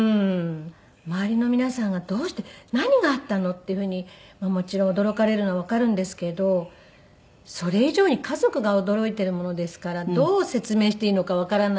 周りの皆さんが「どうして？何があったの？」っていうふうにもちろん驚かれるのはわかるんですけどそれ以上に家族が驚いているものですからどう説明していいのかわからない。